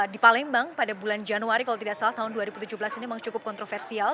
di palembang pada bulan januari kalau tidak salah tahun dua ribu tujuh belas ini memang cukup kontroversial